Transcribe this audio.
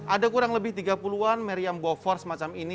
ada kurang lebih tiga puluh an meriam bofor semacam ini